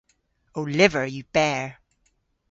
Ow lyver yw berr.